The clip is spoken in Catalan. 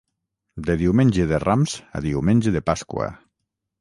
De Diumenge de Rams a Diumenge de Pasqua.